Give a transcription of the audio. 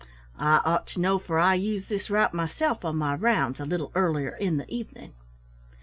I ought to know, for I use this route myself on my rounds a little earlier in the evening."